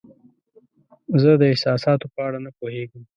زه د احساساتو په اړه نه پوهیږم.